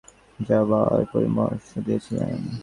তিনি নিকিতাকে পড়াশোনা চালিয়ে যাবার পরামর্শ দিয়েছিলেন।